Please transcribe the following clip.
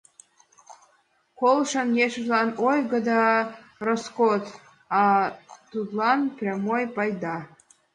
Колышын ешыжлан ойго да роскот, а тудлан прямой пайда.